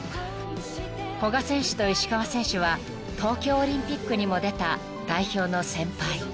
［古賀選手と石川選手は東京オリンピックにも出た代表の先輩］